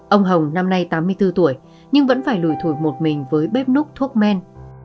ông hồng năm nay tám mươi bốn tuổi nhưng vẫn phải lùi thủ một mình với bếp núp thuốc men